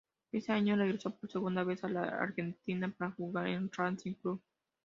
Ese año regresó por segunda vez a la Argentina para jugar en Racing Club.